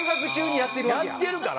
やってるから。